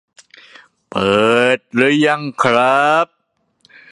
เปิด ยังครับ